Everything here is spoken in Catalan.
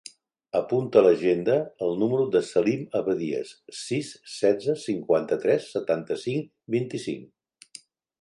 Apunta a l'agenda el número del Salim Abadias: sis, setze, cinquanta-tres, setanta-cinc, vint-i-cinc.